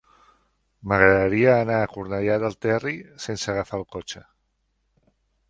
M'agradaria anar a Cornellà del Terri sense agafar el cotxe.